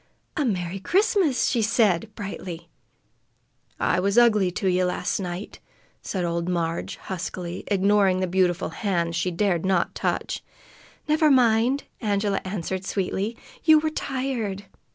"A Merry Christmas!" she said brightly. "I was ugly to ye last night," said old Marg huskily, ignoring the beautiful hand she dared not touch. "Never mind!" Angela answered sweetly. "You were tired."